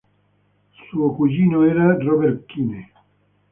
Suo cugino era Robert Quine.